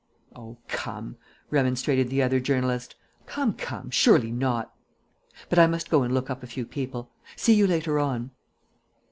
"Oh, come," remonstrated the other journalist. "Come, come. Surely not.... But I must go and look up a few people. See you later on."